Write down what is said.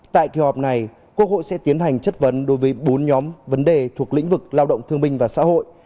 tại kỳ họp này quốc hội sẽ tiến hành chất vấn đối với bốn nhóm vấn đề thuộc lĩnh vực lao động thương minh và xã hội